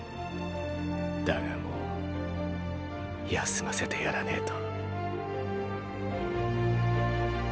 だがもう休ませてやらねぇと。